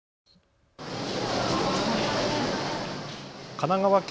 神奈川県